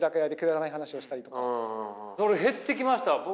それ減ってきました？